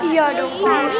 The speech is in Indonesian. ya dong bagus